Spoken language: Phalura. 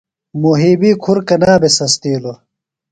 مُحیبی کُھر کنا بھے سستِیلوۡ؟